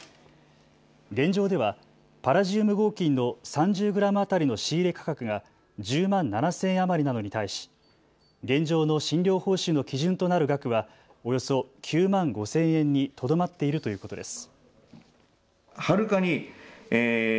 現状ではパラジウム合金の３０グラム当たりの仕入れ価格が１０万７０００円余りなのに対し現状の診療報酬の基準となる額は、およそ９万５０００円にとどまっているということです。